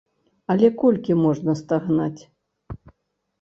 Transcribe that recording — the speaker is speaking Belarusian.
Але колькі можна стагнаць?